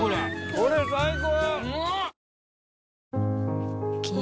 これ最高！